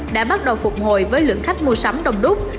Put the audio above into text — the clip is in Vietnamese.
đã bắt đầu phục hồi với lượng khách mua sắm đông đúc